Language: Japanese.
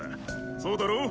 そうだろ？